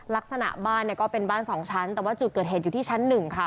ลักษณะบ้านเนี่ยก็เป็นบ้าน๒ชั้นแต่ว่าจุดเกิดเหตุอยู่ที่ชั้นหนึ่งค่ะ